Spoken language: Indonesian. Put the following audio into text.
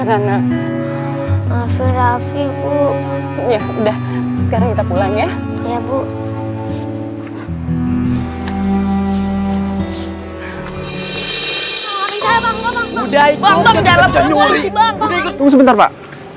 tunggu sebentar pak